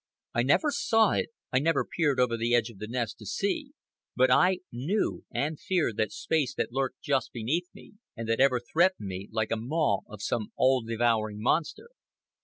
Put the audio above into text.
I never saw it, I never peered over the edge of the nest to see; but I knew and feared that space that lurked just beneath me and that ever threatened me like a maw of some all devouring monster.